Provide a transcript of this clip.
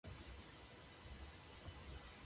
ahfuhiu